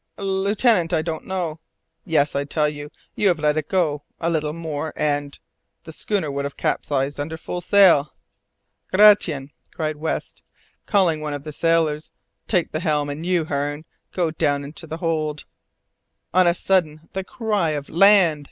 "Lieutenant I don't know " "Yes, I tell you, you have let it go. A little more and the schooner would have capsized under full sail." "Gratian," cried West, calling one of the sailors, "take the helm; and you, Hearne, go down into the hold." On a sudden the cry of "Land!"